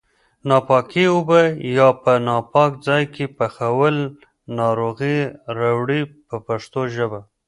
ناپاکې اوبه یا په ناپاک ځای کې پخول ناروغۍ راوړي په پښتو ژبه.